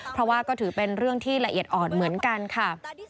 เพราะว่าก็ถือเป็นเรื่องที่ละเอียดอ่อนเหมือนกันค่ะ